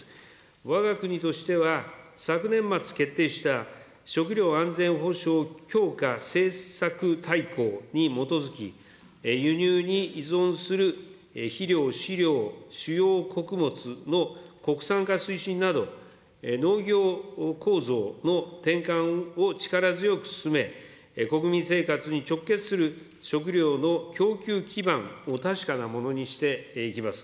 わが国としては、昨年末決定した食料安全保障強化政策大綱に基づき、輸入に依存する肥料、飼料、主要穀物の国産化推進など、農業構造の転換を力強く進め、国民生活に直結する食料の供給基盤を確かなものにしていきます。